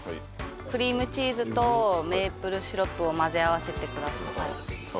クリームチーズとメープルシロップを混ぜ合わせてください。